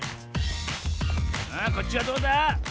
あこっちはどうだ？